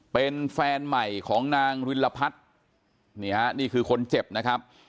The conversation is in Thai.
เป็นแฟนใหม่ของนางริลพัฒน์นี่ฮะนี่คือคนเจ็บนะครับ